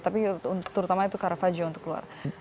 tapi terutama itu caravaggio untuk luar